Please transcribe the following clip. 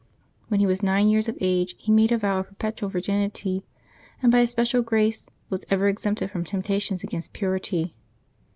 When he was nine years of age he macle a vow of perpetual virginity, and by a special grace was ever exempted from temptations against purity.